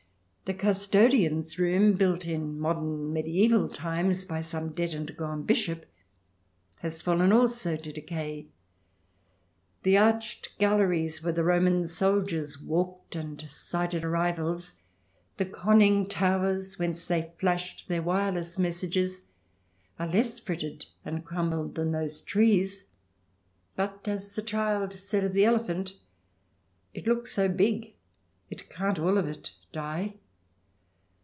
The custodian's room, built in modern medieval times by some dead and gone Bishop, has fallen also to decay; the arched galleries where the Roman soldiers walked and sighted arrivals, the conning towers whence they flashed their wireless messages, are less frittered and crumbled than those trees. But, as the child said of the elephant, it looks so big it can't all of it die.